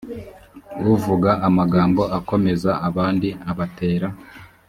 uvuga amagambo akomeza abandi abatera